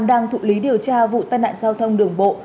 đang thụ lý điều tra vụ tai nạn giao thông đường bộ